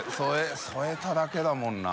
佑添えただけだもんな。